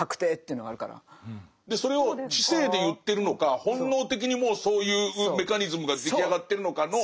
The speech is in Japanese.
それを知性で言ってるのか本能的にもうそういうメカニズムが出来上がってるのかの。